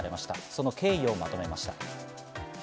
その経緯をまとめました。